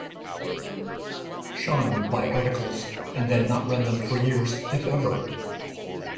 Shawn would buy articles and then not run them for years, if ever.